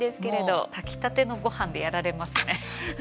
もう炊きたてのごはんでやられますね。